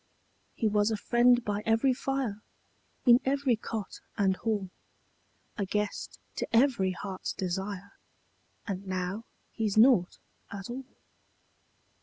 He was a friend by every fire, In every cot and hall A guest to every heart's desire, And now he's nought at all.